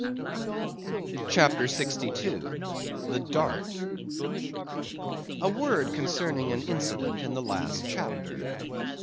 CHAPTER 62. The Dart. A word concerning an incident in the last chapter.